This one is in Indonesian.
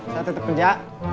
saya tetap kerja